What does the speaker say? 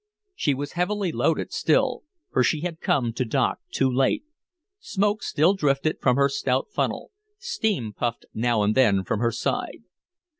She was heavily loaded still, for she had come to dock too late. Smoke still drifted from her stout funnel, steam puffed now and then from her side.